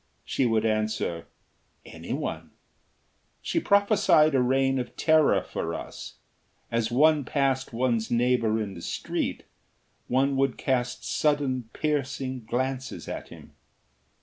She would answer: "Anyone." She prophesied a reign of terror for us. As one passed one's neighbour in the street one would cast sudden, piercing glances at him.